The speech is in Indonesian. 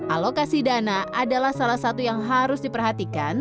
alokasi dana adalah salah satu yang harus diperhatikan